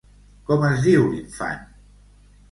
Com es diu infant?